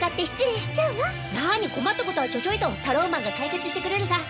なに困ったことはちょちょいとタローマンが解決してくれるさ。